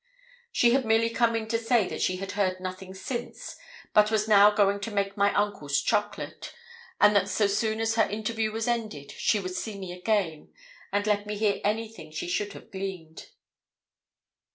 She had merely come in to say that she had heard nothing since, but was now going to make my uncle's chocolate; and that so soon as her interview was ended she would see me again, and let me hear anything she should have gleaned.